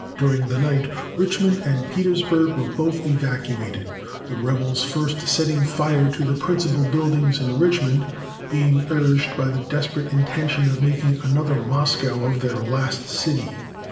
During the night, Richmond and Petersburg were both evacuated, the rebels first setting fire to the principal buildings in Richmond, being urged by the desperate intention of making another Moscow of their last city.